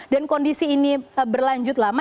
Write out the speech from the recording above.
dan kondisi ini berlanjut lama